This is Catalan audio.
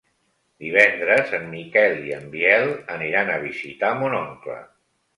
Divendres en Miquel i en Biel aniran a visitar mon oncle.